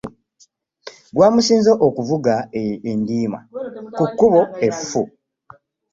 Gwamusinze okuvuga endiima ku kkubo effu.